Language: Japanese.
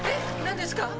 何ですか？